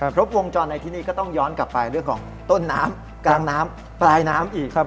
ครบวงจรในที่นี่ก็ต้องย้อนกลับไปเรื่องของต้นน้ำกลางน้ำปลายน้ำอีก